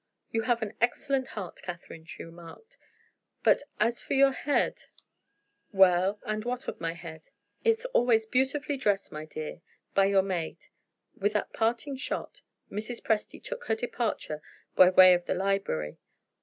"You have an excellent heart, Catherine," she remarked; "but as for your head " "Well, and what of my head?" "It's always beautifully dressed, my dear, by your maid." With that parting shot, Mrs. Presty took her departure by way of the library.